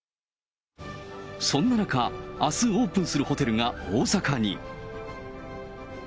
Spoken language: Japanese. そんな中、あすオープンするホテルが大阪に。